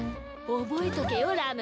覚えとけよラム。